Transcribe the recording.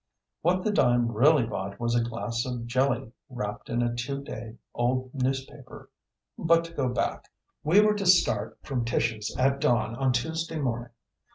What the dime really bought was a glass of jelly wrapped in a two day old newspaper. But to go back: We were to start from Tish's at dawn on Tuesday morning.